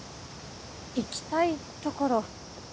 行きたいところ。